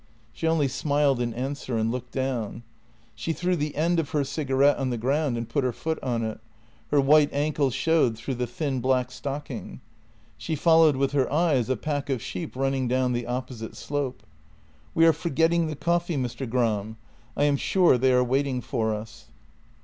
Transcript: " She only smiled in answer, and looked down. She threw the end of her cigarette on the ground and put her foot on it; her white ankle showed through the thin black stocking. She fol lowed with her eyes a pack of sheep running down the opposite slope. " We are forgetting the coffee, Mr. Gram — I am sure they are waiting for us."